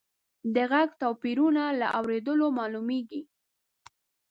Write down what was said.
د غږ توپیرونه له اورېدلو معلومیږي.